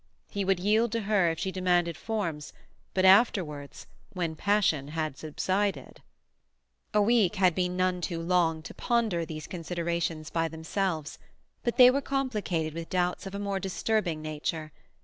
He would yield to her if she demanded forms, but afterwards—when passion had subsided—. A week had been none too long to ponder these considerations by themselves; but they were complicated with doubts of a more disturbing nature.